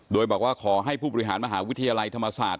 โดยบอกว่าขอให้ผู้บริหารมหาวิทยาลัยธรรมศาสตร์